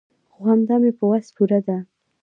خو همدا مې په وس پوره ده.